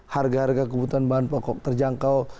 harga harga kebutuhan bahan pokok terjangkau